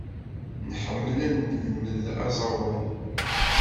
Nḥemmel ad nelmed aẓawan.